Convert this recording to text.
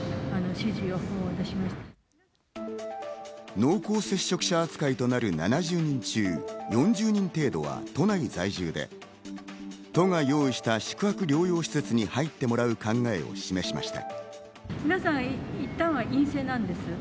濃厚接触者扱いとなる７０人中４０人程度は都内在住で、都が用意した宿泊療養施設に入ってもらう考えを示しました。